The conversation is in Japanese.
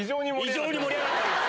異常に盛り上がってます。